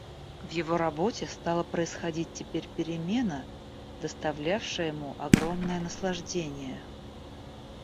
В его работе стала происходить теперь перемена, доставлявшая ему огромное наслаждение.